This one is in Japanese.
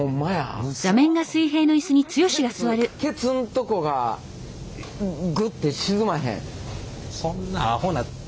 ケツケツんとこがグッて沈まへん。